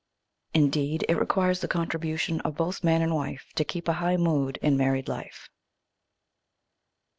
Indeed it requires the contribution of both man and wife to keep a high mood in married life.